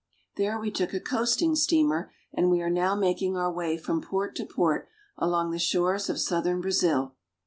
There we took a coasting steamer, and we are now making our way from port to port along the shores of southern Brazil.